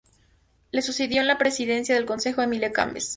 Le sucedió en la presidencia del Consejo Émile Combes.